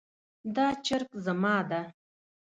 دا چرګ زما ده